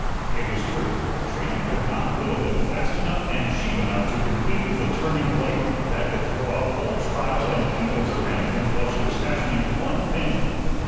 It was true. Trina could not whittle them fast enough and cheap enough to compete with the turning lathe, that could throw off whole tribes and peoples of manikins while she was fashioning one family.